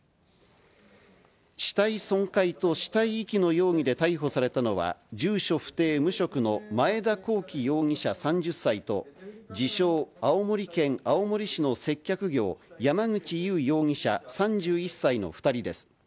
死体損壊と死体遺棄の容疑で逮捕されたのは、住所不定無職の前田広樹容疑者３０歳と、自称、青森県青森市の接客業、山口優容疑者３１歳の２人です。